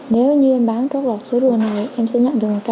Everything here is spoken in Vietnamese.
nếu như em bán trước lọt số rùa này em sẽ nhận được một trăm hai mươi triệu